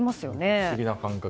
不思議な感覚。